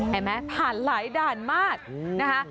เห็นไหมผ่านหลายด่านมากนะคะ